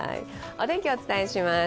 お天気をお伝えします。